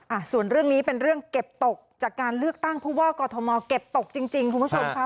อ่ะส่วนเรื่องนี้เป็นเรื่องเก็บตกจากการเลือกตั้งผู้ว่ากอทมเก็บตกจริงจริงคุณผู้ชมค่ะ